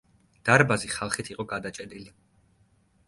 დარბაზი ხალხით იყო გადაჭედილი.